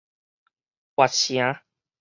越城